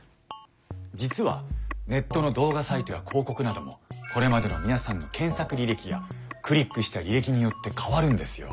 実はネットの動画サイトや広告などもこれまでの皆さんの検索履歴やクリックした履歴によって変わるんですよ。